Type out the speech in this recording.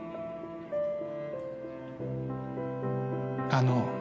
あの。